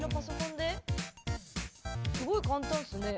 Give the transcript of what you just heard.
すごい簡単っすね。